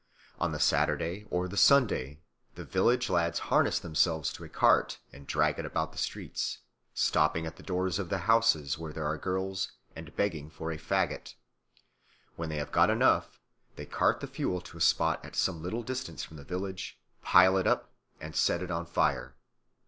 On the Saturday or the Sunday the village lads harness themselves to a cart and drag it about the streets, stopping at the doors of the houses where there are girls and begging fora faggot. When they have got enough, they cart the fuel to a spot at some little distance from the village, pile it up, and set it on fire.